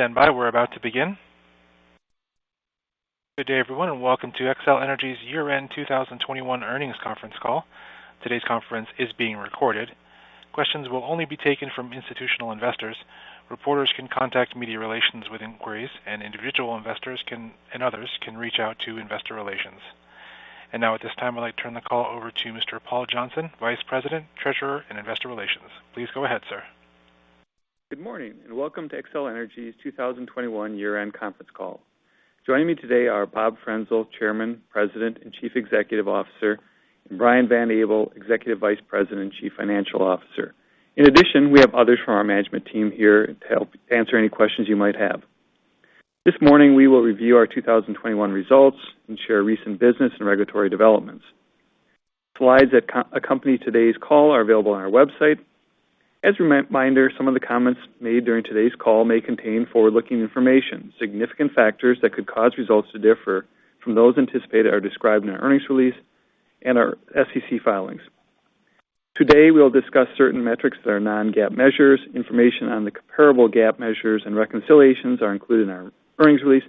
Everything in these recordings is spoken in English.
Standby. We're about to begin. Good day, everyone, and welcome to Xcel Energy's year-end 2021 earnings conference call. Today's conference is being recorded. Questions will only be taken from institutional investors. Reporters can contact media relations with inquiries, and individual investors and others can reach out to investor relations. Now, at this time, I'd like to turn the call over to Mr. Paul Johnson, Vice President, Treasurer, and Investor Relations. Please go ahead, sir. Good morning, and welcome to Xcel Energy's 2021 year-end conference call. Joining me today are Bob Frenzel, Chairman, President, and Chief Executive Officer, and Brian Van Abel, Executive Vice President and Chief Financial Officer. In addition, we have others from our management team here to help answer any questions you might have. This morning, we will review our 2021 results and share recent business and regulatory developments. Slides that accompany today's call are available on our website. As a reminder, some of the comments made during today's call may contain forward-looking information. Significant factors that could cause results to differ from those anticipated are described in our earnings release and our SEC filings. Today, we'll discuss certain metrics that are non-GAAP measures. Information on the comparable GAAP measures and reconciliations are included in our earnings release.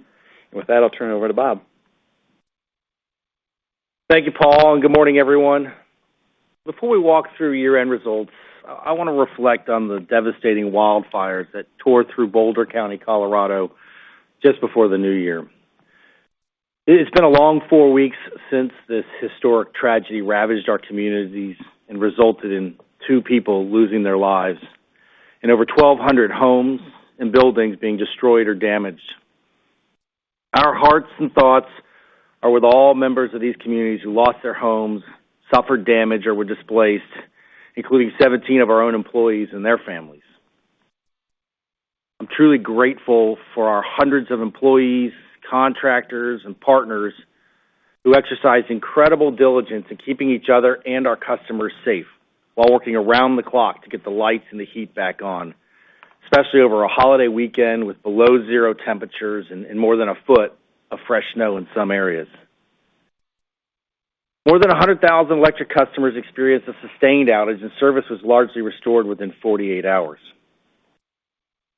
With that, I'll turn it over to Bob. Thank you, Paul, and good morning, everyone. Before we walk through year-end results, I wanna reflect on the devastating wildfires that tore through Boulder County, Colorado, just before the new year. It has been a long four weeks since this historic tragedy ravaged our communities and resulted in two people losing their lives and over 1,200 homes and buildings being destroyed or damaged. Our hearts and thoughts are with all members of these communities who lost their homes, suffered damage, or were displaced, including 17 of our own employees and their families. I'm truly grateful for our hundreds of employees, contractors, and partners who exercised incredible diligence in keeping each other and our customers safe while working around the clock to get the lights and the heat back on, especially over a holiday weekend with below zero temperatures and more than a foot of fresh snow in some areas. More than 100,000 electric customers experienced a sustained outage, and service was largely restored within 48 hours.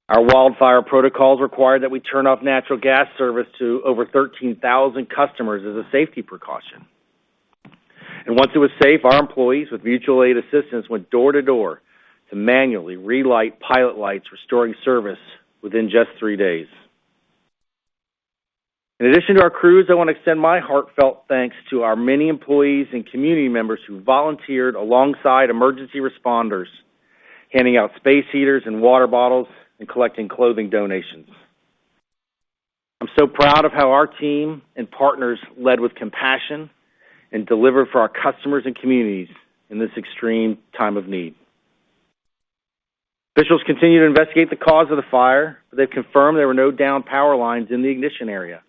Our wildfire protocols required that we turn off natural gas service to over 13,000 customers as a safety precaution. Once it was safe, our employees with mutual aid assistance went door to door to manually relight pilot lights, restoring service within just three days. In addition to our crews, I want to extend my heartfelt thanks to our many employees and community members who volunteered alongside emergency responders, handing out space heaters and water bottles and collecting clothing donations. I'm so proud of how our team and partners led with compassion and delivered for our customers and communities in this extreme time of need. Officials continue to investigate the cause of the fire, but they've confirmed there were no downed power lines in the ignition area.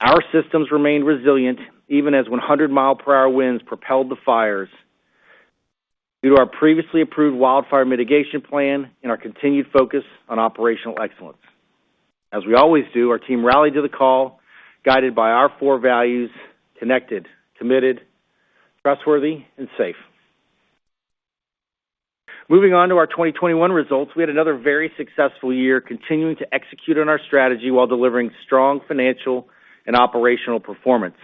Our systems remained resilient, even as 100-mile-per-hour winds propelled the fires, due to our previously approved wildfire mitigation plan and our continued focus on operational excellence. As we always do, our team rallied to the call, guided by our four values, connected, committed, trustworthy, and safe. Moving on to our 2021 results, we had another very successful year, continuing to execute on our strategy while delivering strong financial and operational performance.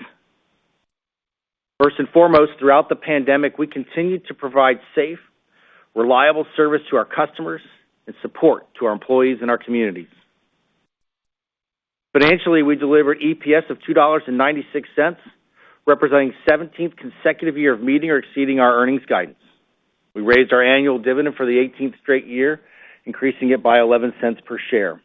First and foremost, throughout the pandemic, we continued to provide safe, reliable service to our customers and support to our employees and our communities. Financially, we delivered EPS of $2.96, representing 17th consecutive year of meeting or exceeding our earnings guidance. We raised our annual dividend for the 18th straight year, increasing it by 11 cents per share.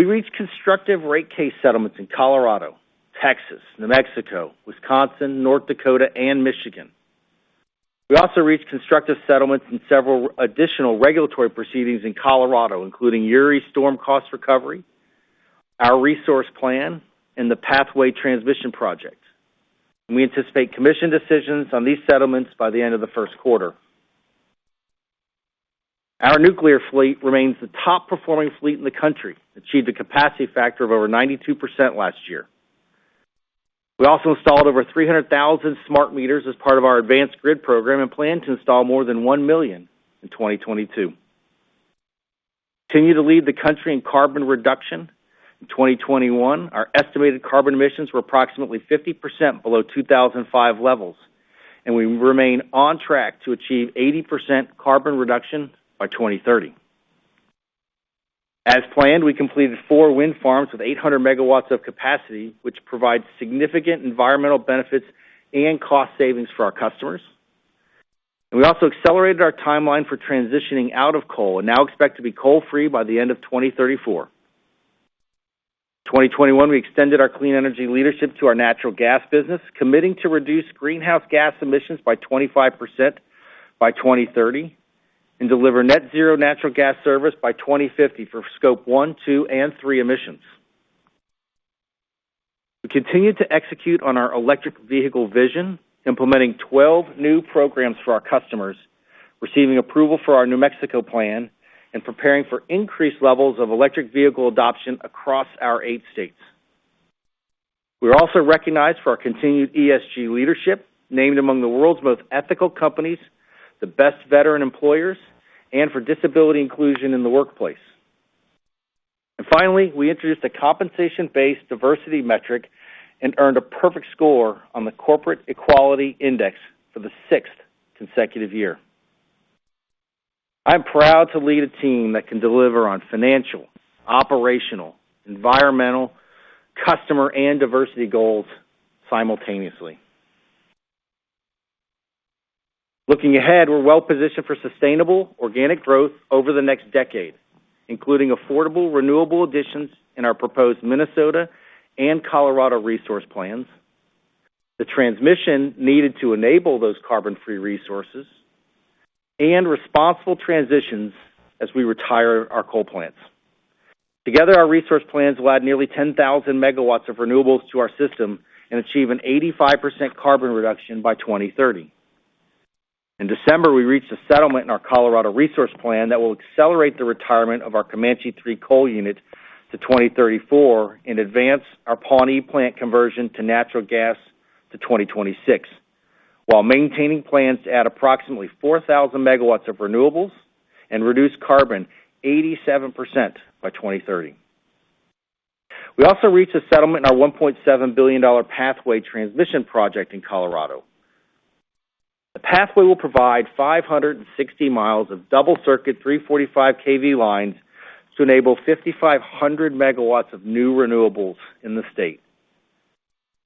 We reached constructive rate case settlements in Colorado, Texas, New Mexico, Wisconsin, North Dakota, and Michigan. We also reached constructive settlements in several additional regulatory proceedings in Colorado, including Uri Storm Cost Recovery, our resource plan, and the Colorado's Power Pathway. We anticipate commission decisions on these settlements by the end of the first quarter. Our nuclear fleet remains the top-performing fleet in the country and achieved a capacity factor of over 92% last year. We also installed over 300,000 smart meters as part of our advanced grid program and plan to install more than 1 million in 2022. We continue to lead the country in carbon reduction. In 2021, our estimated carbon emissions were approximately 50% below 2005 levels, and we remain on track to achieve 80% carbon reduction by 2030. As planned, we completed four wind farms with 800 MW of capacity, which provides significant environmental benefits and cost savings for our customers. We also accelerated our timeline for transitioning out of coal and now expect to be coal-free by the end of 2034. In 2021, we extended our clean energy leadership to our natural gas business, committing to reduce greenhouse gas emissions by 25% by 2030 and deliver net zero natural gas service by 2050 for Scope 1, Scope 2, and Scope 3 emissions. We continued to execute on our electric vehicle vision, implementing 12 new programs for our customers, receiving approval for our New Mexico plan, and preparing for increased levels of electric vehicle adoption across our eight states. We're also recognized for our continued ESG leadership, named among the world's most ethical companies, the best veteran employers, and for disability inclusion in the workplace. Finally, we introduced a compensation-based diversity metric and earned a perfect score on the Corporate Equality Index for the sixth consecutive year. I'm proud to lead a team that can deliver on financial, operational, environmental, customer, and diversity goals simultaneously. Looking ahead, we're well-positioned for sustainable organic growth over the next decade, including affordable, renewable additions in our proposed Minnesota and Colorado resource plans, the transmission needed to enable those carbon-free resources, and responsible transitions as we retire our coal plants. Together, our resource plans will add nearly 10,000 MW of renewables to our system and achieve an 85% carbon reduction by 2030. In December, we reached a settlement in our Colorado resource plan that will accelerate the retirement of our Comanche III coal unit to 2034 and advance our Pawnee plant conversion to natural gas to 2026, while maintaining plans to add approximately 4,000 MW of renewables and reduce carbon 87% by 2030. We also reached a settlement in our $1.7 billion Power Pathway in Colorado. The Power Pathway will provide 560 miles of double circuit 345 kV lines to enable 5,500 megawatts of new renewables in the state.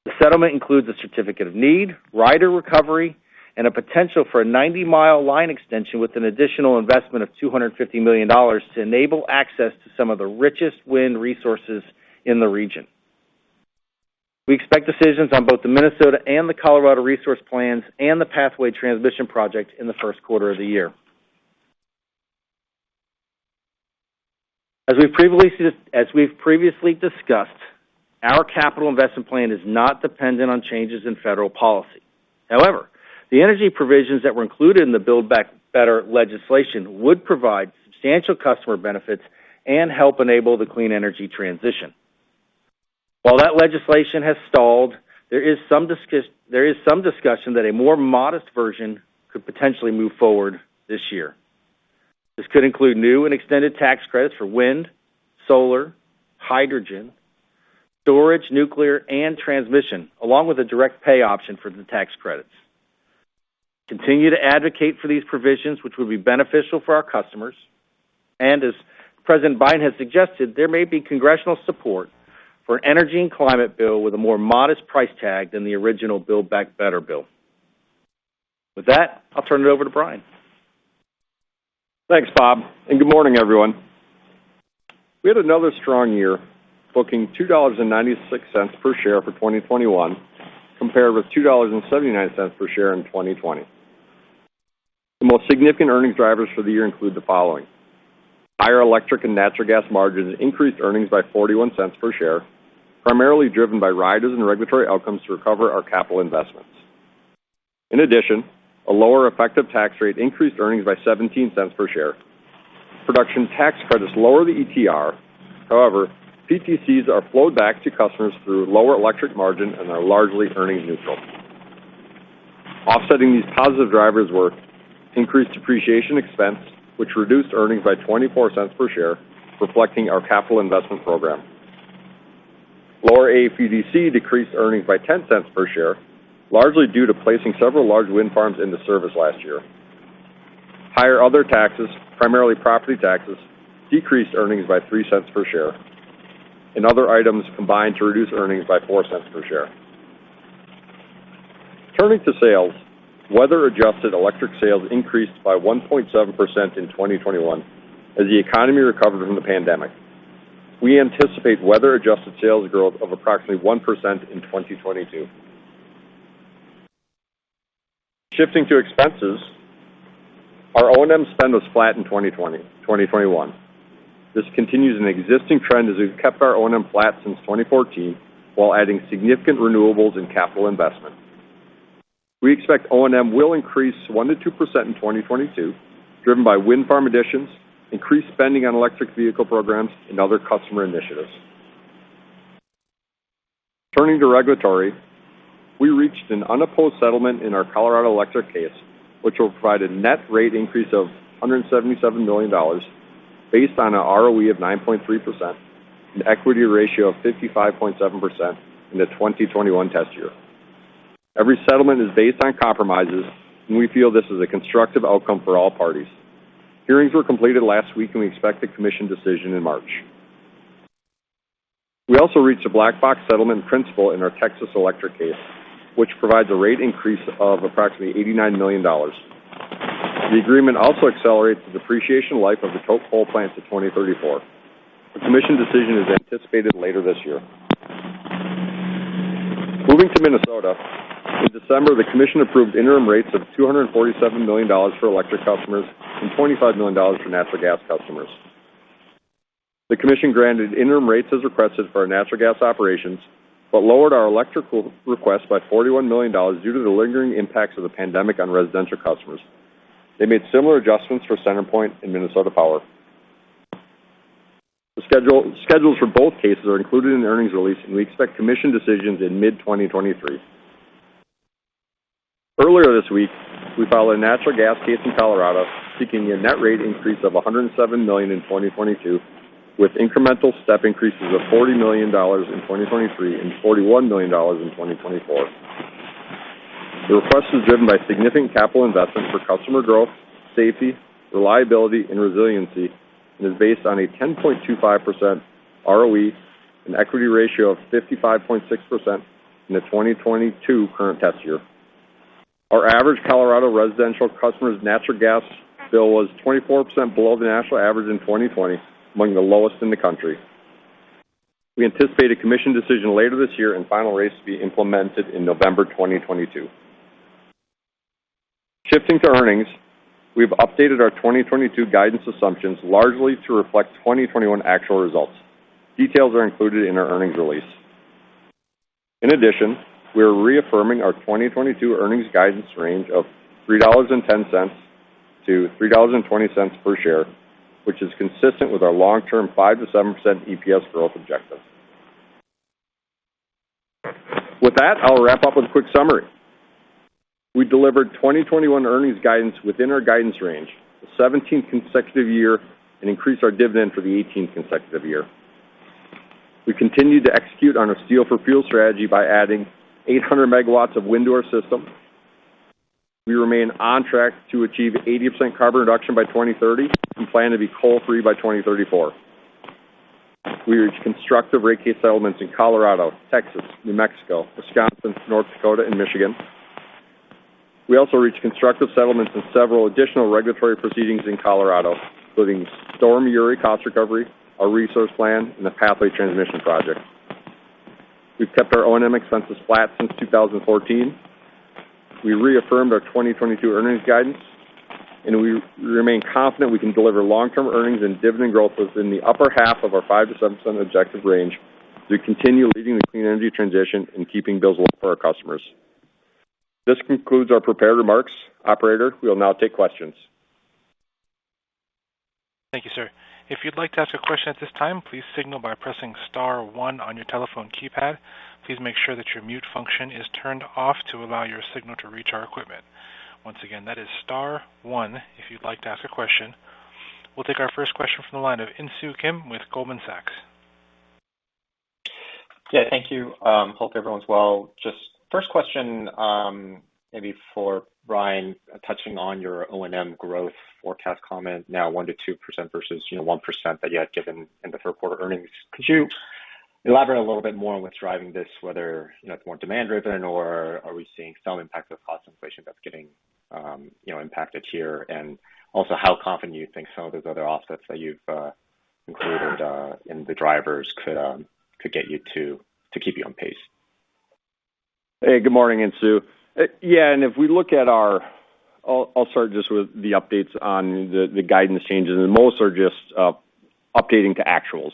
The settlement includes a certificate of need, rider recovery, and a potential for a 90-mile line extension with an additional investment of $250 million to enable access to some of the richest wind resources in the region. We expect decisions on both the Minnesota and the Colorado resource plans and the Power Pathway in the first quarter of the year. As we've previously discussed, our capital investment plan is not dependent on changes in federal policy. However, the energy provisions that were included in the Build Back Better legislation would provide substantial customer benefits and help enable the clean energy transition. While that legislation has stalled, there is some discussion that a more modest version could potentially move forward this year. This could include new and extended tax credits for wind, solar, hydrogen, storage, nuclear, and transmission, along with a direct pay option for the tax credits. Continue to advocate for these provisions, which will be beneficial for our customers. As President Biden has suggested, there may be congressional support for an energy and climate bill with a more modest price tag than the original Build Back Better bill. With that, I'll turn it over to Brian. Thanks, Bob, and good morning, everyone. We had another strong year, booking $2.96 per share for 2021, compared with $2.79 per share in 2020. The most significant earnings drivers for the year include the following. Higher electric and natural gas margins increased earnings by $0.41 per share, primarily driven by riders and regulatory outcomes to recover our capital investments. In addition, a lower effective tax rate increased earnings by $0.17 per share. Production tax credits lower the ETR. However, PTCs are flowed back to customers through lower electric margin and are largely earnings neutral. Offsetting these positive drivers were increased depreciation expense, which reduced earnings by $0.24 per share, reflecting our capital investment program. Lower AFDC decreased earnings by $0.10 per share, largely due to placing several large wind farms into service last year. Higher other taxes, primarily property taxes, decreased earnings by $0.03 per share, and other items combined to reduce earnings by $0.04 per share. Turning to sales, weather-adjusted electric sales increased by 1.7% in 2021 as the economy recovered from the pandemic. We anticipate weather-adjusted sales growth of approximately 1% in 2022. Shifting to expenses, our O&M spend was flat in 2021. This continues an existing trend as we've kept our O&M flat since 2014 while adding significant renewables and capital investment. We expect O&M will increase 1%-2% in 2022, driven by wind farm additions, increased spending on electric vehicle programs, and other customer initiatives. Turning to regulatory, we reached an unopposed settlement in our Colorado electric case, which will provide a net rate increase of $177 million based on an ROE of 9.3%, an equity ratio of 55.7% in the 2021 test year. Every settlement is based on compromises, and we feel this is a constructive outcome for all parties. Hearings were completed last week, and we expect a commission decision in March. We also reached a black box settlement principle in our Texas electric case, which provides a rate increase of approximately $89 million. The agreement also accelerates the depreciation life of the coal plant to 2034. The commission decision is anticipated later this year. Moving to Minnesota, in December, the commission approved interim rates of $247 million for electric customers and $25 million for natural gas customers. The commission granted interim rates as requested for our natural gas operations, but lowered our electrical request by $41 million due to the lingering impacts of the pandemic on residential customers. They made similar adjustments for CenterPoint and Minnesota Power. The schedules for both cases are included in the earnings release, and we expect commission decisions in mid-2023. Earlier this week, we filed a natural gas case in Colorado seeking a net rate increase of $107 million in 2022, with incremental step increases of $40 million in 2023 and $41 million in 2024. The request is driven by significant capital investments for customer growth, safety, reliability, and resiliency, and is based on a 10.25% ROE, an equity ratio of 55.6% in the 2022 current test year. Our average Colorado residential customer's natural gas bill was 24% below the national average in 2020, among the lowest in the country. We anticipate a commission decision later this year and final rates to be implemented in November 2022. Shifting to earnings, we have updated our 2022 guidance assumptions largely to reflect 2021 actual results. Details are included in our earnings release. In addition, we are reaffirming our 2022 earnings guidance range of $3.10-$3.20 per share, which is consistent with our long-term 5%-7% EPS growth objective. With that, I'll wrap up with a quick summary. We delivered 2021 earnings guidance within our guidance range, the 17th consecutive year, and increased our dividend for the 18th consecutive year. We continued to execute on our Steel for Fuel strategy by adding 800 MW of wind to our system. We remain on track to achieve 80% carbon reduction by 2030 and plan to be coal-free by 2034. We reached constructive rate case settlements in Colorado, Texas, New Mexico, Wisconsin, North Dakota, and Michigan. We also reached constructive settlements in several additional regulatory proceedings in Colorado, including Winter Storm Uri cost recovery, our resource plan, and the Power Pathway. We've kept our O&M expenses flat since 2014. We reaffirmed our 2022 earnings guidance, and we remain confident we can deliver long-term earnings and dividend growth within the upper half of our 5%-7% objective range as we continue leading the clean energy transition and keeping bills low for our customers. This concludes our prepared remarks. Operator, we will now take questions. Thank you, sir. If you'd like to ask a question at this time, please signal by pressing star one on your telephone keypad. Please make sure that your mute function is turned off to allow your signal to reach our equipment. Once again, that is star one if you'd like to ask a question. We'll take our first question from the line of Insoo Kim with Goldman Sachs. Yeah, thank you. Hope everyone's well. Just first question, maybe for Brian, touching on your O&M growth forecast comment, now 1%-2% versus, you know, 1% that you had given in the third quarter earnings. Could you elaborate a little bit more on what's driving this, whether, you know, it's more demand-driven or are we seeing some impact of cost inflation that's getting, you know, impacted here? And also, how confident do you think some of those other offsets that you've included in the drivers could get you to keep you on pace? Hey, good morning, In-Soo. Yeah, I'll start just with the updates on the guidance changes, and most are just updating to actuals,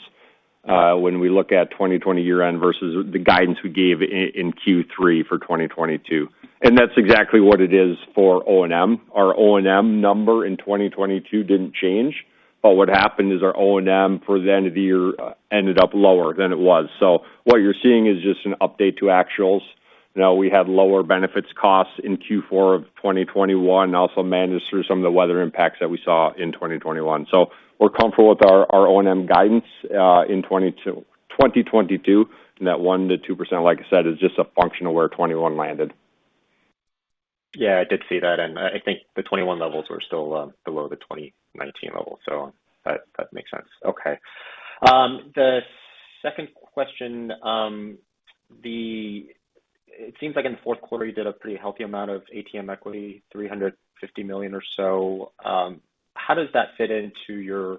when we look at 2020 year-end versus the guidance we gave in Q3 for 2022. That's exactly what it is for O&M. Our O&M number in 2022 didn't change, but what happened is our O&M for the end of the year ended up lower than it was. What you're seeing is just an update to actuals. You know, we had lower benefits costs in Q4 of 2021, and also managed through some of the weather impacts that we saw in 2021. We're comfortable with our O&M guidance in 2022, and that 1%-2%, like I said, is just a function of where 2021 landed. Yeah, I did see that, and I think the 2021 levels were still below the 2019 level. That makes sense. Okay. The second question, it seems like in the fourth quarter, you did a pretty healthy amount of ATM equity, $350 million or so. How does that fit into your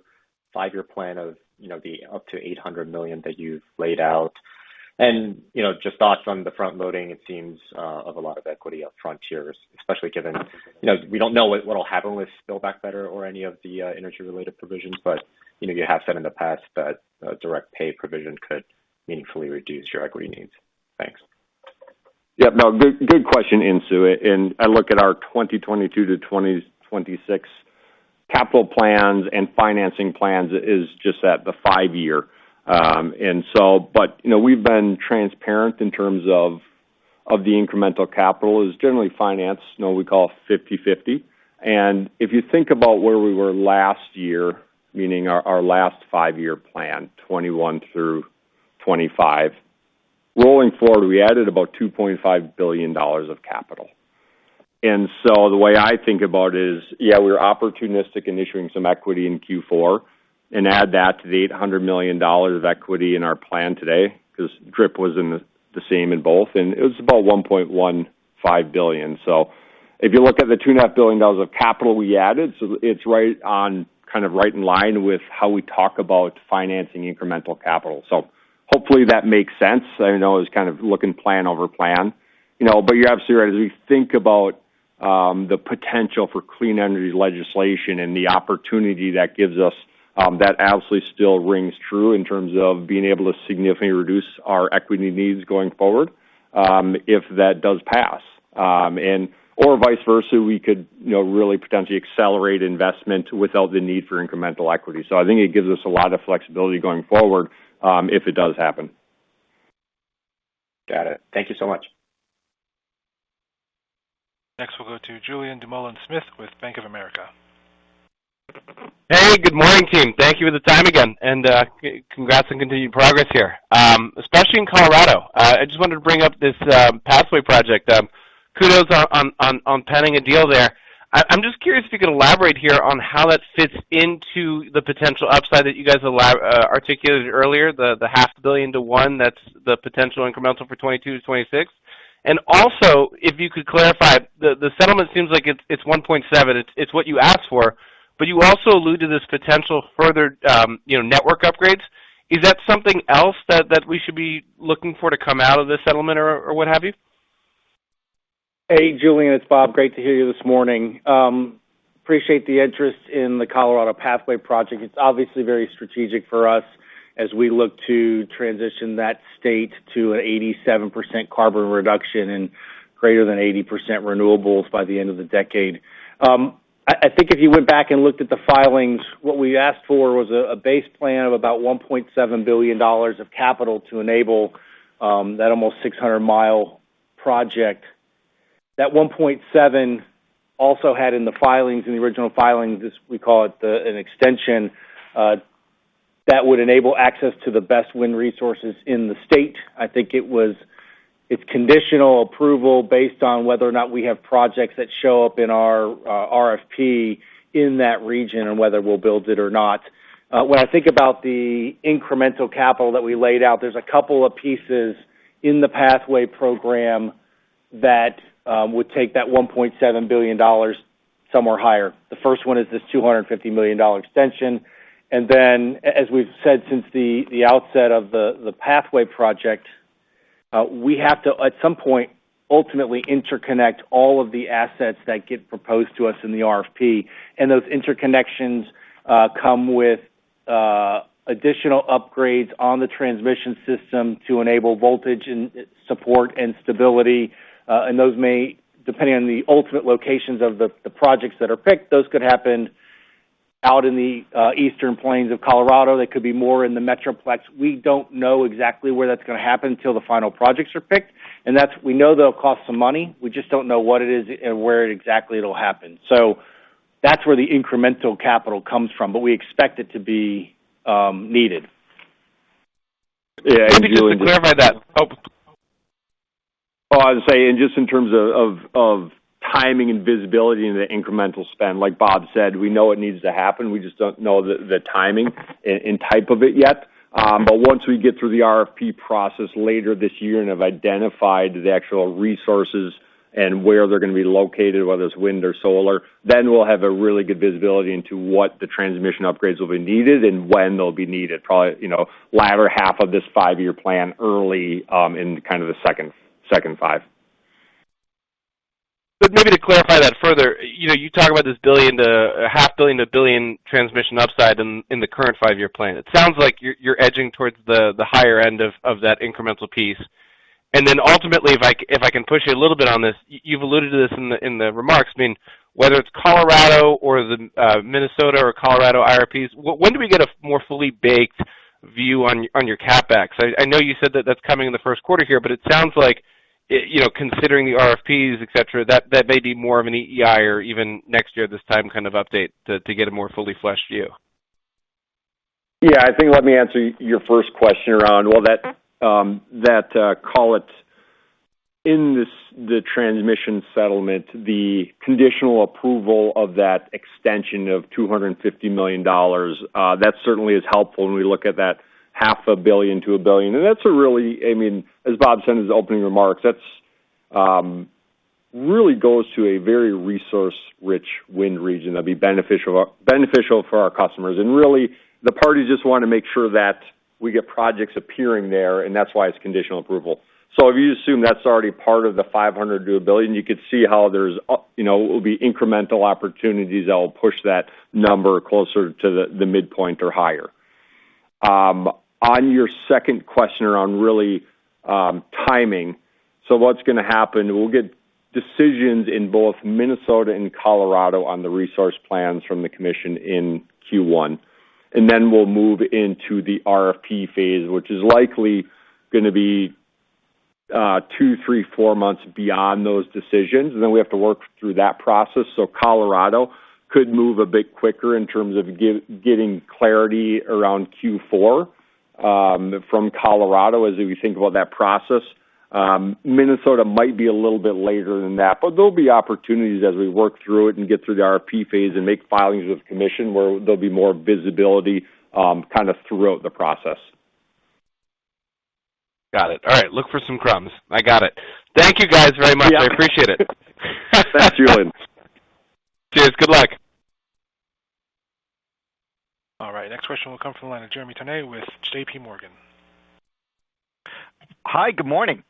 five-year plan of, you know, the up to $800 million that you've laid out? And, you know, just thoughts on the front loading, it seems of a lot of equity up front here, especially given, you know, we don't know what'll happen with Build Back Better or any of the energy-related provisions. But, you know, you have said in the past that a direct pay provision could meaningfully reduce your equity needs. Thanks. Yeah. No, good question, In-Soo. I look at our 2022-2026 capital plans and financing plans is just at the five-year. You know, we've been transparent in terms of the incremental capital is generally financed, you know, we call 50/50. If you think about where we were last year, meaning our last five-year plan, 2021 through 2025, rolling forward, we added about $2.5 billion of capital. The way I think about it is, yeah, we were opportunistic in issuing some equity in Q4 and add that to the $800 million of equity in our plan today, 'cause DRIP was in the same in both, and it was about $1.15 billion. If you look at the $2.5 billion of capital we added, it's right on, kind of right in line with how we talk about financing incremental capital. Hopefully that makes sense. I know it's kind of looking plan over plan, you know. You're absolutely right. As we think about the potential for clean energy legislation and the opportunity that gives us, that absolutely still rings true in terms of being able to significantly reduce our equity needs going forward. If that does pass, and/or vice versa, we could, you know, really potentially accelerate investment without the need for incremental equity. I think it gives us a lot of flexibility going forward, if it does happen. Got it. Thank you so much. Next, we'll go to Julien Dumoulin-Smith with Bank of America. Hey, good morning, team. Thank you for the time again and, congrats on continued progress here, especially in Colorado. I just wanted to bring up this Power Pathway project. Kudos on penning a deal there. I'm just curious if you can elaborate here on how that fits into the potential upside that you guys articulated earlier, the half billion to $1 billion, that's the potential incremental for 2022 to 2026. Also, if you could clarify, the settlement seems like it's $1.7 billion. It's what you asked for, but you also alluded to this potential further, you know, network upgrades. Is that something else that we should be looking for to come out of this settlement or what have you? Hey, Julien, it's Bob. Great to hear you this morning. Appreciate the interest in the Colorado's Power Pathway project. It's obviously very strategic for us as we look to transition that state to 87% carbon reduction and greater than 80% renewables by the end of the decade. I think if you went back and looked at the filings, what we asked for was a base plan of about $1.7 billion of capital to enable that almost 600-mile project. That $1.7 billion also had in the filings, in the original filings, as we call it, an extension that would enable access to the best wind resources in the state. It's conditional approval based on whether or not we have projects that show up in our RFP in that region and whether we'll build it or not. When I think about the incremental capital that we laid out, there's a couple of pieces in the Pathway program that would take that $1.7 billion somewhere higher. The first one is this $250 million dollar extension. As we've said since the outset of the Pathway project, we have to, at some point, ultimately interconnect all of the assets that get proposed to us in the RFP. Those interconnections come with additional upgrades on the transmission system to enable voltage and support and stability. Those may, depending on the ultimate locations of the projects that are picked, those could happen out in the Eastern plains of Colorado. They could be more in the Metroplex. We don't know exactly where that's gonna happen until the final projects are picked. That's. We know they'll cost some money. We just don't know what it is and where exactly it'll happen. That's where the incremental capital comes from, but we expect it to be needed. Yeah., just to- Maybe just to clarify that. Oh. Oh, I was saying just in terms of of timing and visibility into the incremental spend, like Bob said, we know it needs to happen. We just don't know the timing and type of it yet. Once we get through the RFP process later this year and have identified the actual resources and where they're gonna be located, whether it's wind or solar, then we'll have a really good visibility into what the transmission upgrades will be needed and when they'll be needed, probably, you know, latter half of this five-year plan, early in kind of the second five. Maybe to clarify that further, you know, you talk about this $0.5 billion-$1 billion transmission upside in the current five-year plan. It sounds like you're edging towards the higher end of that incremental piece. Ultimately, if I can push you a little bit on this, you've alluded to this in the remarks, I mean, whether it's Colorado or Minnesota or Colorado IRPs, when do we get a more fully baked view on your CapEx? I know you said that that's coming in the first quarter here, but it sounds like you know, considering the RFPs, et cetera, that may be more of an EEI or even next year this time kind of update to get a more fully fleshed view. Yeah, I think let me answer your first question around the transmission settlement, the conditional approval of that extension of $250 million, that certainly is helpful when we look at that half a billion to a billion. That's a really, I mean, as Bob said in his opening remarks, that's really goes to a very resource-rich wind region that'd be beneficial for our customers. Really, the parties just wanna make sure that we get projects appearing there, and that's why it's conditional approval. If you assume that's already part of the 500 MW deliverability, and you could see how there will be, you know, incremental opportunities that will push that number closer to the midpoint or higher. On your second question around really timing. What's gonna happen, we'll get decisions in both Minnesota and Colorado on the resource plans from the commission in Q1. Then we'll move into the RFP phase, which is likely gonna be two, three, four months beyond those decisions. Then we have to work through that process. Colorado could move a bit quicker in terms of getting clarity around Q4 from Colorado as we think about that process. Minnesota might be a little bit later than that, but there'll be opportunities as we work through it and get through the RFP phase and make filings with commission where there'll be more visibility kind of throughout the process. Got it. All right. Look for some crumbs. I got it. Thank you guys very much. I appreciate it. Thanks, Julien. Cheers. Good luck. All right, next question will come from the line of Jeremy Tonet with JPMorgan. Hi. Good morning.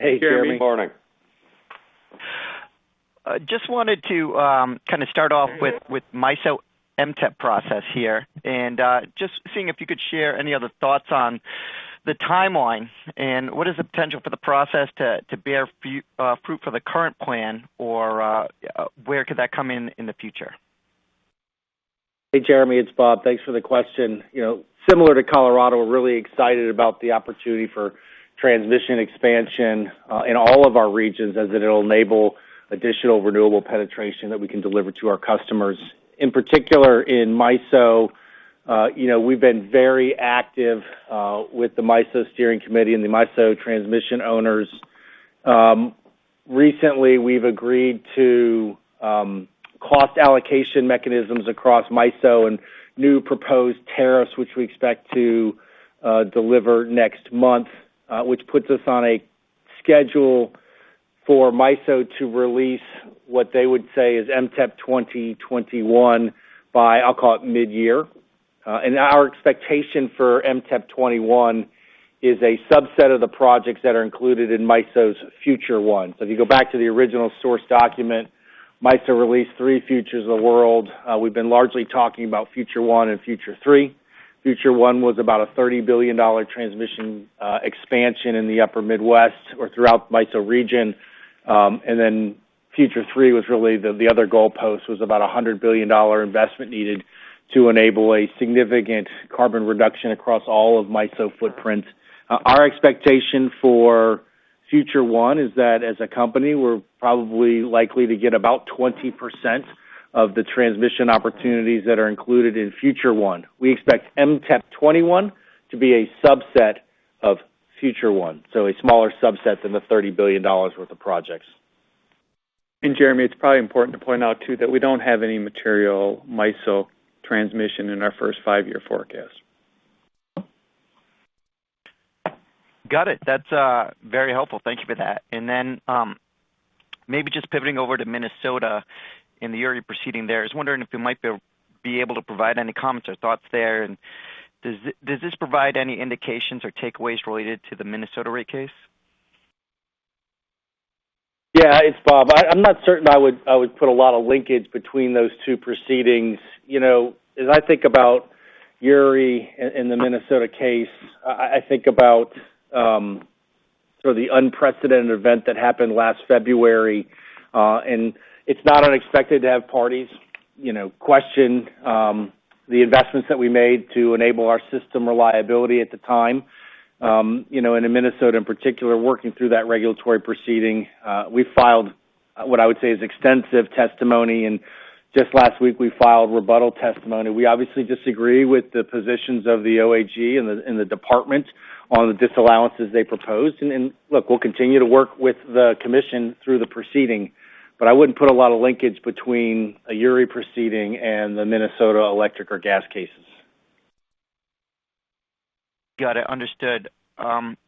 Hey, Jeremy. Good morning. I just wanted to kind of start off with MISO MTEP process here. Just seeing if you could share any other thoughts on the timeline and what is the potential for the process to bear fruit for the current plan or where could that come in in the future? Hey, Jeremy. It's Bob. Thanks for the question. You know, similar to Colorado, we're really excited about the opportunity for transmission expansion in all of our regions, as it'll enable additional renewable penetration that we can deliver to our customers. In particular, in MISO, you know, we've been very active with the MISO Steering Committee and the MISO transmission owners. Recently, we've agreed to cost allocation mechanisms across MISO and new proposed tariffs, which we expect to deliver next month, which puts us on a schedule for MISO to release what they would say is MTEP21 by, I'll call it midyear. And our expectation for MTEP21 is a subset of the projects that are included in MISO's future one. If you go back to the original source document, MISO released three futures of the world. We've been largely talking about Future 1 and Future 3. Future 1 was about a $30 billion transmission expansion in the upper Midwest or throughout MISO region. Future 3 was really the other goalpost, was about a $100 billion investment needed to enable a significant carbon reduction across all of MISO footprints. Our expectation for Future 1 is that as a company, we're probably likely to get about 20% of the transmission opportunities that are included in Future 1. We expect MTEP21 to be a subset of Future 1, so a smaller subset than the $30 billion worth of projects. Jeremy, it's probably important to point out too that we don't have any material MISO transmission in our first five-year forecast. Got it. That's very helpful. Thank you for that. Maybe just pivoting over to Minnesota in the Uri proceeding there. I was wondering if you might be able to provide any comments or thoughts there. Does this provide any indications or takeaways related to the Minnesota rate case? Yeah. It's Bob. I'm not certain I would put a lot of linkage between those two proceedings. You know, as I think about Uri in the Minnesota case, I think about sort of the unprecedented event that happened last February. It's not unexpected to have parties, you know, question the investments that we made to enable our system reliability at the time. You know, in Minnesota in particular, working through that regulatory proceeding, we filed what I would say is extensive testimony. Just last week, we filed rebuttal testimony. We obviously disagree with the positions of the OAG and the department on the disallowances they proposed. Look, we'll continue to work with the commission through the proceeding, but I wouldn't put a lot of linkage between a Uri proceeding and the Minnesota electric or gas cases. Got it, understood.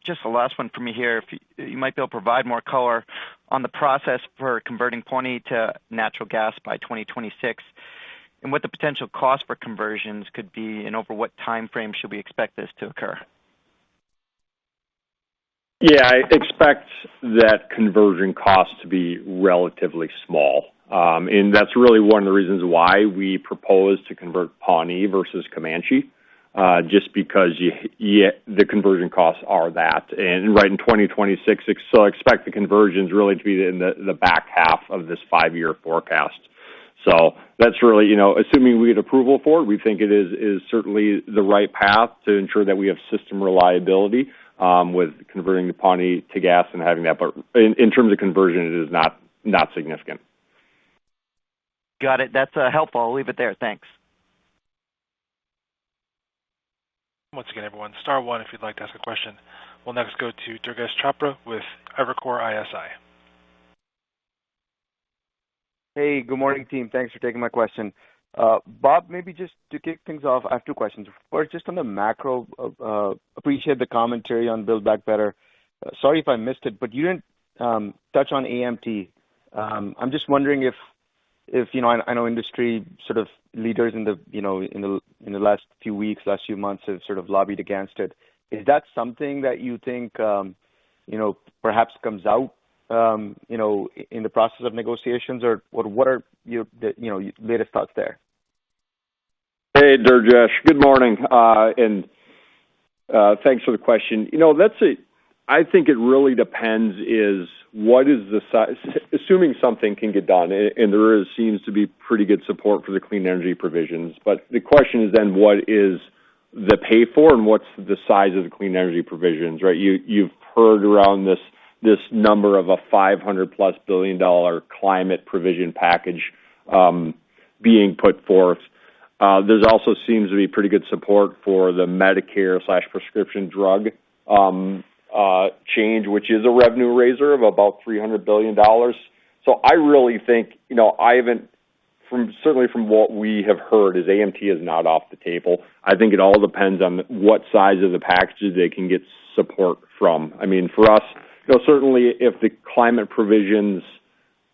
Just the last one for me here. If you might be able to provide more color on the process for converting Pawnee to natural gas by 2026, and what the potential cost for conversions could be, and over what timeframe should we expect this to occur? Yeah. I expect that conversion cost to be relatively small. That's really one of the reasons why we propose to convert Pawnee versus Comanche, just because the conversion costs are that. Right in 2026, so expect the conversions really to be in the back half of this five-year forecast. That's really, you know, assuming we get approval for it, we think it is certainly the right path to ensure that we have system reliability, with converting the Pawnee to gas and having that. But in terms of conversion, it is not significant. Got it. That's helpful. I'll leave it there. Thanks. Once again, everyone, star one if you'd like to ask a question. We'll next go to Durgesh Chopra with Evercore ISI. Hey. Good morning, team. Thanks for taking my question. Bob, maybe just to kick things off, I have two questions. First, just on the macro, appreciate the commentary on Build Back Better. Sorry if I missed it, but you didn't touch on AMT. I'm just wondering if, you know, I know industry sort of leaders in the last few weeks, last few months have sort of lobbied against it. Is that something that you think, you know, perhaps comes out in the process of negotiations? Or what are your, you know, latest thoughts there? Hey, Durgesh. Good morning. And thanks for the question. You know, that's a—I think it really depends. Assuming something can get done, and there seems to be pretty good support for the clean energy provisions. The question is then what is the pay for and what's the size of the clean energy provisions, right? You've heard around this number of a $500+ billion climate provision package being put forth. There's also seems to be pretty good support for the Medicare/prescription drug change, which is a revenue raiser of about $300 billion. I really think, you know, I even certainly from what we have heard, AMT is not off the table. I think it all depends on what size of the packages they can get support from. I mean, for us, you know, certainly if the climate provisions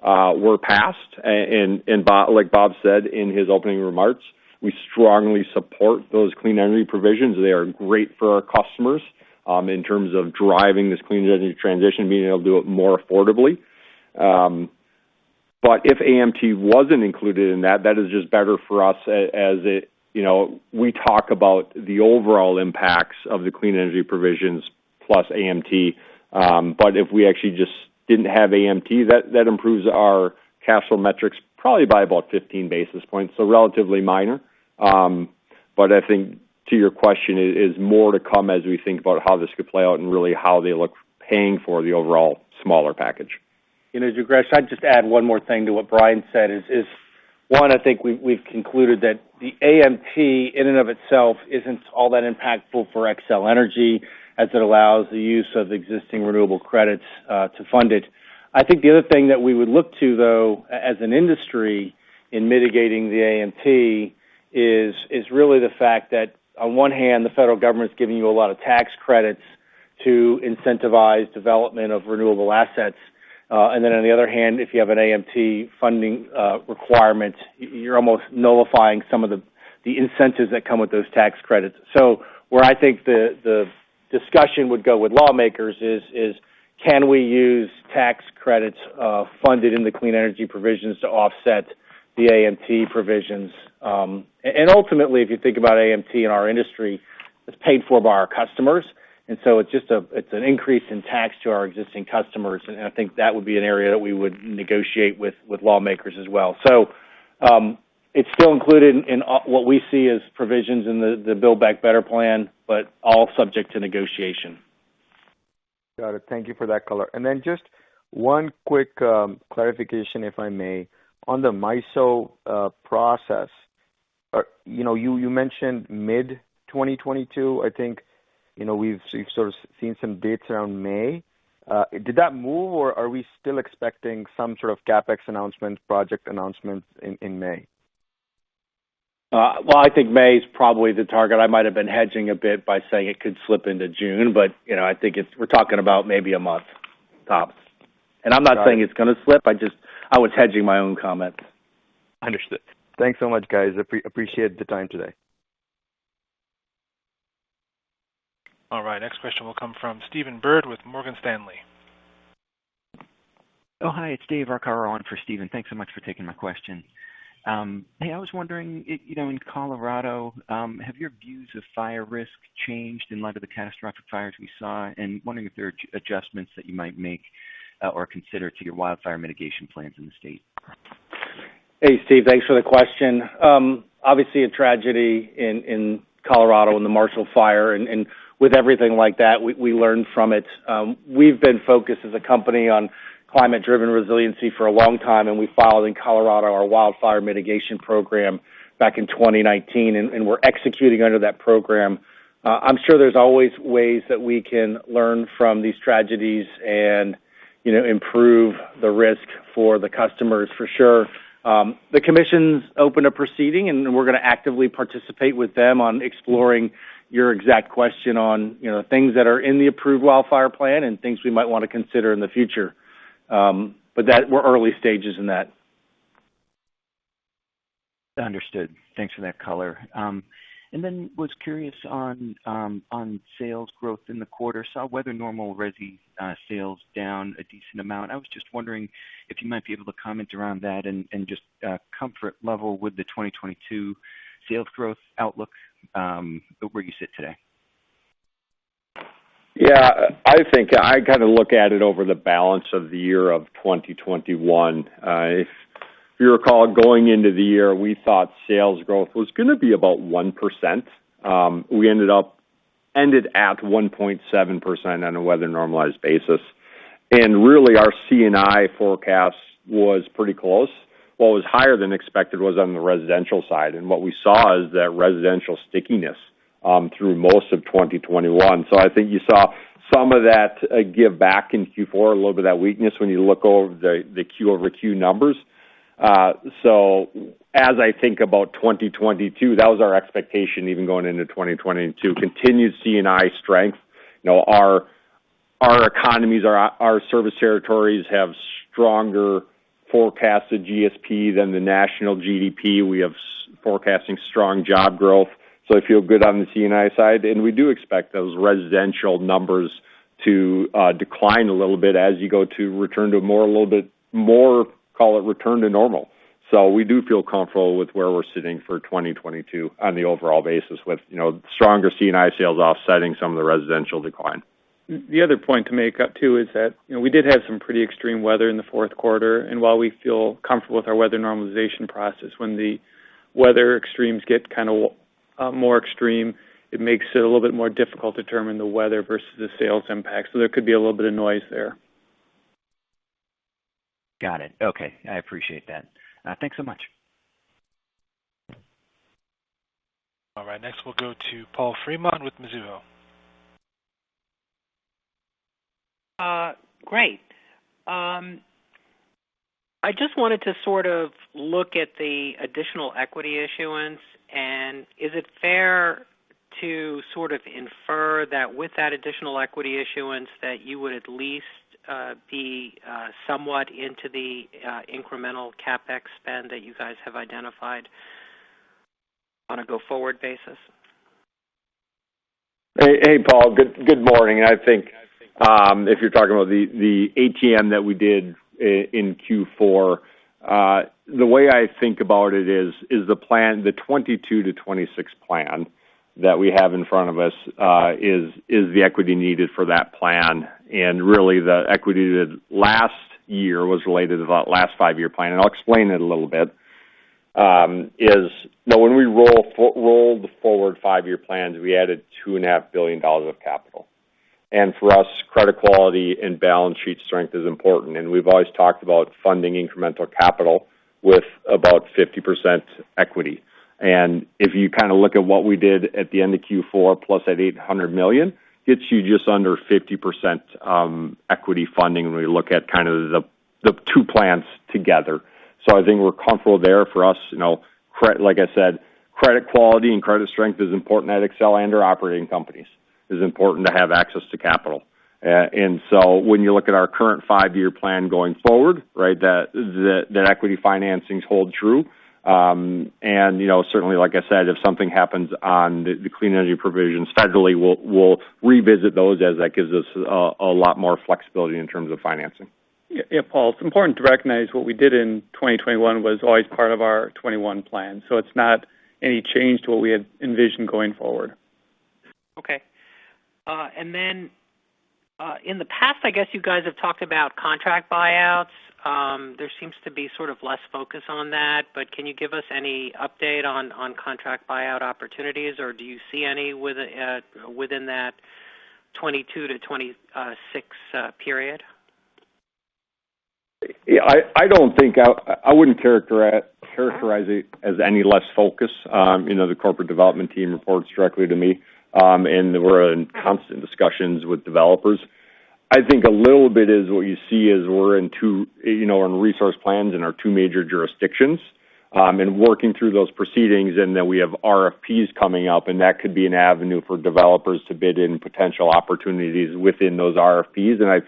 were passed, and like Bob said in his opening remarks, we strongly support those clean energy provisions. They are great for our customers in terms of driving this clean energy transition, meaning they'll do it more affordably. But if AMT wasn't included in that is just better for us as it, you know, we talk about the overall impacts of the clean energy provisions plus AMT. If we actually just didn't have AMT, that improves our capital metrics probably by about 15 basis points. Relatively minor. I think to your question, it is more to come as we think about how this could play out and really how they look paying for the overall smaller package. As you progress, I'd just add one more thing to what Brian said. It is one. I think we've concluded that the AMT in and of itself isn't all that impactful for Xcel Energy as it allows the use of existing renewable credits to fund it. I think the other thing that we would look to, though, as an industry in mitigating the AMT is really the fact that on one hand, the federal government's giving you a lot of tax credits to incentivize development of renewable assets. Then on the other hand, if you have an AMT funding requirement, you're almost nullifying some of the incentives that come with those tax credits. Where I think the discussion would go with lawmakers is can we use tax credits funded in the clean energy provisions to offset the AMT provisions? Ultimately, if you think about AMT in our industry, it's paid for by our customers. It's just an increase in tax to our existing customers. I think that would be an area that we would negotiate with lawmakers as well. It's still included in what we see as provisions in the Build Back Better plan, but all subject to negotiation. Got it. Thank you for that color. Just one quick clarification, if I may. On the MISO process, you know, you mentioned mid-2022, I think. You know, we've sort of seen some dates around May. Did that move, or are we still expecting some sort of CapEx announcement, project announcements in May? Well, I think May is probably the target. I might have been hedging a bit by saying it could slip into June, but, you know, I think we're talking about maybe a month, tops. I'm not saying it's gonna slip. I was hedging my own comments. Understood. Thanks so much, guys. Appreciate the time today. All right, next question will come from Stephen Byrd with Morgan Stanley. Oh, hi. It's David Arcaro on for Stephen. Thanks so much for taking my question. Hey, I was wondering you know, in Colorado, have your views of fire risk changed in light of the catastrophic fires we saw? Wondering if there are adjustments that you might make, or consider to your wildfire mitigation plans in the state. Hey, Stephen. Thanks for the question. Obviously a tragedy in Colorado in the Marshall Fire. With everything like that, we learn from it. We've been focused as a company on climate-driven resiliency for a long time, and we filed in Colorado our wildfire mitigation program back in 2019, and we're executing under that program. I'm sure there's always ways that we can learn from these tragedies and, you know, improve the risk for the customers for sure. The commission's opened a proceeding, and we're gonna actively participate with them on exploring your exact question on, you know, things that are in the approved wildfire plan and things we might wanna consider in the future. We're in early stages in that. Understood. Thanks for that color. Then I was curious on sales growth in the quarter. Saw weather normal resi, sales down a decent amount. I was just wondering if you might be able to comment around that and just comfort level with the 2022 sales growth outlook, where you sit today. Yeah. I think I kind of look at it over the balance of the year of 2021. If you recall, going into the year, we thought sales growth was gonna be about 1%. We ended up at 1.7% on a weather normalized basis. Really, our C&I forecast was pretty close. What was higher than expected was on the residential side. What we saw is that residential stickiness through most of 2021. I think you saw some of that give back in Q4, a little bit of that weakness when you look over the Q-over-Q numbers. As I think about 2022, that was our expectation even going into 2022, continued C&I strength. You know, our economies, our service territories have stronger forecasted GSP than the national GDP. We're forecasting strong job growth. I feel good on the C&I side, and we do expect those residential numbers to decline a little bit as you go to return to more, a little bit more, call it return to normal. We do feel comfortable with where we're sitting for 2022 on the overall basis with, you know, stronger C&I sales offsetting some of the residential decline. The other point to make up too is that, you know, we did have some pretty extreme weather in the fourth quarter, and while we feel comfortable with our weather normalization process, when the weather extremes get kind of more extreme, it makes it a little bit more difficult to determine the weather versus the sales impact. There could be a little bit of noise there. Got it. Okay. I appreciate that. Thanks so much. All right, next we'll go to Paul Fremont with Mizuho. Great. I just wanted to sort of look at the additional equity issuance, and is it fair to sort of infer that with that additional equity issuance, that you would at least be somewhat into the incremental CapEx spend that you guys have identified on a go-forward basis? Hey, Paul. Good morning. I think if you're talking about the ATM that we did in Q4, the way I think about it is the 2022 to 2026 plan that we have in front of us is the equity needed for that plan. Really the equity that last year was related to that last five-year plan, and I'll explain it a little bit. You know, when we rolled the forward five-year plans, we added $2.5 billion of capital. For us, credit quality and balance sheet strength is important. We've always talked about funding incremental capital with about 50% equity. If you kind of look at what we did at the end of Q4, plus that $800 million, gets you just under 50% equity funding when we look at kind of the two plans together. I think we're comfortable there. For us, you know, like I said, credit quality and credit strength is important at Xcel and our operating companies. It's important to have access to capital. When you look at our current five-year plan going forward, right? That equity financings hold true. You know, certainly, like I said, if something happens on the clean energy provisions federally, we'll revisit those as that gives us a lot more flexibility in terms of financing. Yeah, Paul, it's important to recognize what we did in 2021 was always part of our 2021 plan, so it's not any change to what we had envisioned going forward. Okay. In the past, I guess you guys have talked about contract buyouts. There seems to be sort of less focus on that, but can you give us any update on contract buyout opportunities, or do you see any within that 2022 to 2026 period? Yeah, I don't think I would characterize it as any less focus. You know, the corporate development team reports directly to me, and we're in constant discussions with developers. I think a little bit is what you see is we're in two, you know, on resource plans in our two major jurisdictions, and working through those proceedings, and then we have RFPs coming up, and that could be an avenue for developers to bid in potential opportunities within those RFPs. I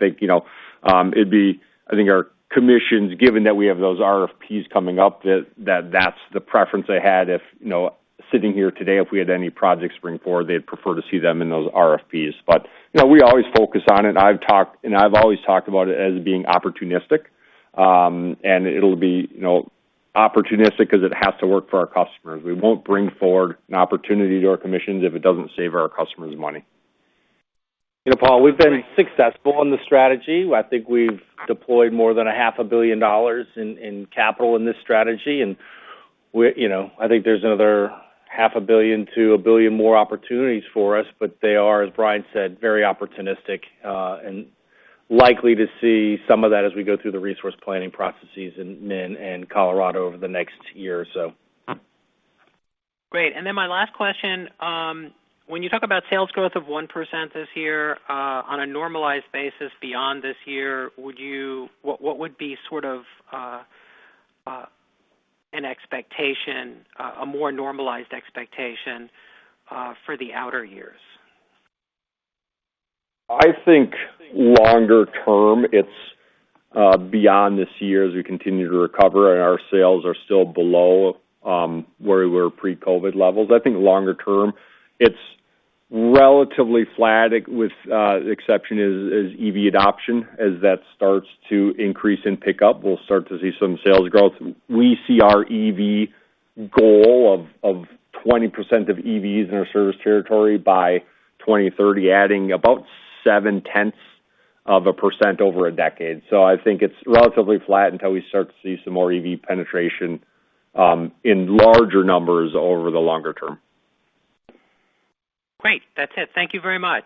think our commissions, given that we have those RFPs coming up, that's the preference they had if, you know, sitting here today, if we had any projects bring forward, they'd prefer to see them in those RFPs. You know, we always focus on it. I've talked, and I've always talked about it as being opportunistic. It'll be, you know, opportunistic because it has to work for our customers. We won't bring forward an opportunity to our commissions if it doesn't save our customers money. You know, Paul, we've been successful in this strategy. I think we've deployed more than a half a billion dollars in capital in this strategy. You know, I think there's another half a billion to a billion more opportunities for us, but they are, as Brian said, very opportunistic, and likely to see some of that as we go through the resource planning processes in MN and Colorado over the next year or so. Great. My last question. When you talk about sales growth of 1% this year, on a normalized basis beyond this year, what would be sort of an expectation, a more normalized expectation, for the outer years? I think longer term, it's beyond this year as we continue to recover and our sales are still below where we were pre-COVID levels. I think longer term, it's relatively flat with the exception is EV adoption. As that starts to increase and pick up, we'll start to see some sales growth. We see our EV goal of 20% of EVs in our service territory by 2030 adding about 0.7% over a decade. I think it's relatively flat until we start to see some more EV penetration in larger numbers over the longer term. Great. That's it. Thank you very much.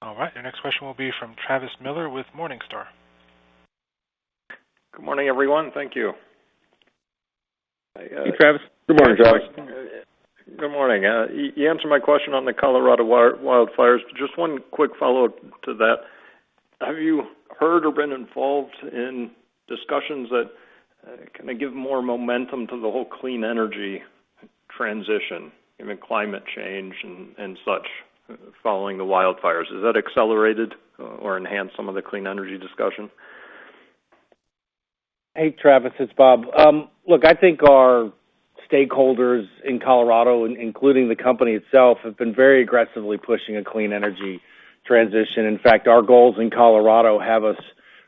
All right, your next question will be from Travis Miller with Morningstar. Good morning, everyone. Thank you. Hey, Travis. Good morning, Travis. Good morning. You answered my question on the Colorado wildfires. Just one quick follow-up to that. Have you heard or been involved in discussions that kinda give more momentum to the whole clean energy transition, I mean, climate change and such following the wildfires? Has that accelerated or enhanced some of the clean energy discussion? Hey, Travis, it's Bob. Look, I think our stakeholders in Colorado, including the company itself, have been very aggressively pushing a clean energy transition. In fact, our goals in Colorado have us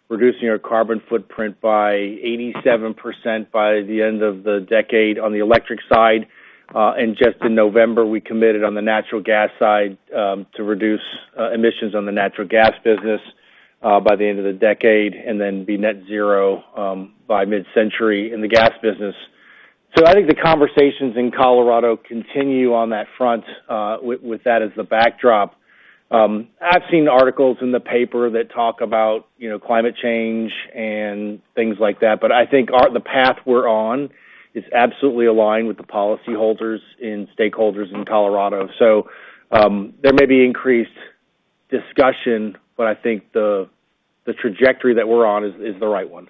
reducing our carbon footprint by 87% by the end of the decade on the electric side. Just in November, we committed on the natural gas side to reduce emissions on the natural gas business by the end of the decade, and then be net zero by mid-century in the gas business. I think the conversations in Colorado continue on that front with that as the backdrop. I've seen articles in the paper that talk about, you know, climate change and things like that, but I think the path we're on is absolutely aligned with the policyholders and stakeholders in Colorado. There may be increased discussion, but I think the trajectory that we're on is the right one.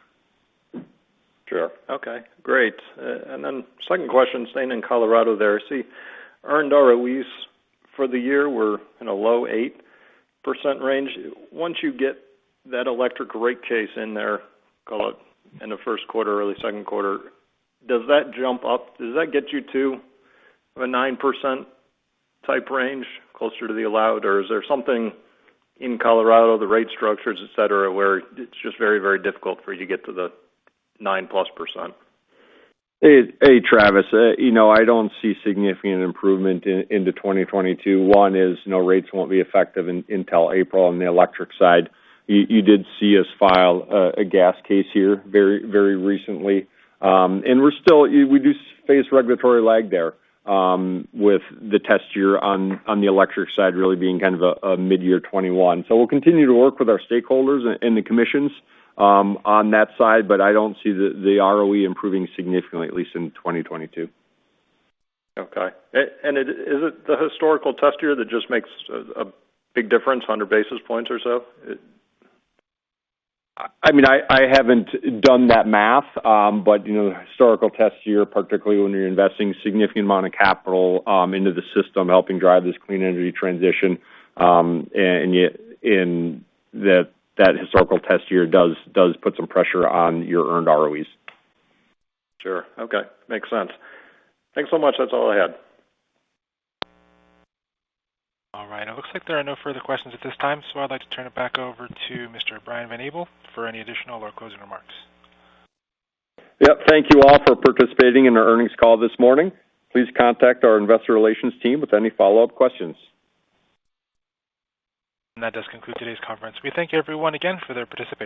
Sure. Okay, great. And then second question, staying in Colorado there. I see earned ROEs for the year were in a low 8% range. Once you get that electric rate case in there, call it in the first quarter, early second quarter, does that jump up? Does that get you to a 9% type range, closer to the allowed, or is there something in Colorado, the rate structures, et cetera, where it's just very, very difficult for you to get to the 9%+? Hey, Travis. You know, I don't see significant improvement into 2022. One is, you know, rates won't be effective until April on the electric side. You did see us file a gas case here very, very recently. We're still. We do face regulatory lag there, with the test year on the electric side really being kind of a mid-year 2021. We'll continue to work with our stakeholders and the commissions, on that side, but I don't see the ROE improving significantly, at least in 2022. Okay. Is it the historical test year that just makes a big difference, 100 basis points or so? It- I mean, I haven't done that math, but you know, the historical test year, particularly when you're investing significant amount of capital into the system, helping drive this clean energy transition, and yet in that historical test year does put some pressure on your earned ROEs. Sure. Okay. Makes sense. Thanks so much. That's all I had. All right. It looks like there are no further questions at this time, so I'd like to turn it back over to Mr. Brian Van Abel for any additional or closing remarks. Yep. Thank you all for participating in our earnings call this morning. Please contact our investor relations team with any follow-up questions. That does conclude today's conference. We thank everyone again for their participation.